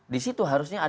disitu harus dikawal